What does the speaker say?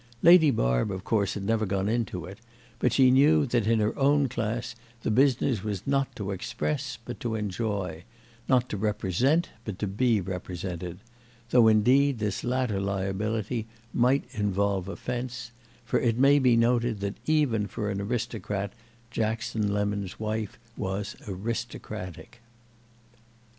Lady Barb of course had never gone into it; but she knew that in her own class the business was not to express but to enjoy, not to represent but to be represented—though indeed this latter liability might involve offence; for it may be noted that even for an aristocrat Jackson Lemon's wife was aristocratic.